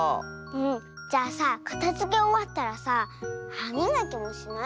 じゃあさかたづけおわったらさはみがきもしない？